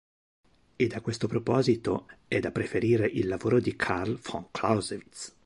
Ed a questo proposito è da preferire il lavoro di Carl von Clausewitz.